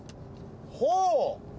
ほう！